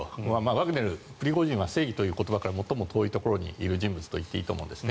ワグネル、プリゴジンは正義という言葉から最も遠いところにいる存在と言っていいと思うんです。